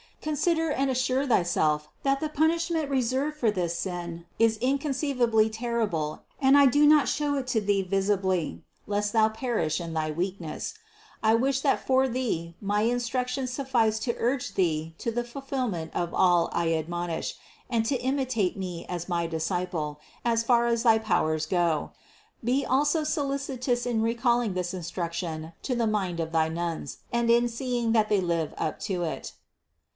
Consider and assure thyself that the punishment reserved for this sin is inconceivably terrible and I do not show it to thee visibly, lest thou perish in thy weakness. I wish that for thee my instructions suffice to urge thee to the fulfillment of all I admonish and to imitate me as my disciple, as far as thy powers go. Be also solicitous in recalling this instruction to the mind of thy nuns and in seeing that they live up to it.